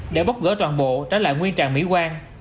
để bóc gỡ toàn bộ trả lại nguyên trạng mỹ quan